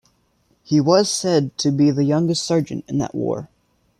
He was said to be the youngest sergeant in that war.